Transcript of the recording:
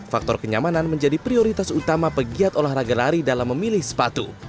faktor kenyamanan menjadi prioritas utama pegiat olahraga lari dalam memilih sepatu